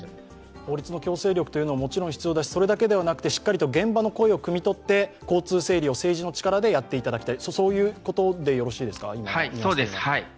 法律の強制力はもちろん必要ですし、それだけではなくてしっかりと現場の声をくみ取って交通整理を政治の力でやっていただきたい。